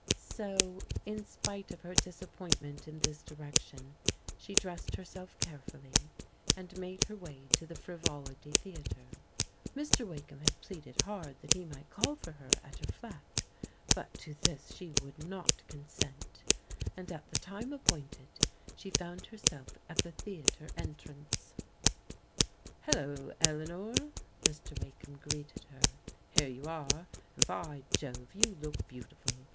So in spite of her disappointment in this direction she dressed herself carefully and made her way to the Fri volity Theatre. Mr. Wakdiam had pleaded hard that he might call for her at her flat, but to this she w6uld not consent, and at the time appointed she found herself at ^e theatre entrance. THE NIGHT CLXJB APPAIE 233 HdlOy Eleanor," Mr. Wakeham greeted her, " here JX)U are ; and, by Jove, you look beautiful.